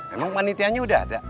emang panitianya udah ada